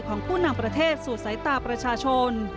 ของผู้นำประเทศสู่สายตาประชาชน